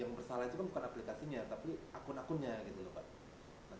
yang bersalah itu kan bukan aplikasinya tapi akun akunnya gitu loh pak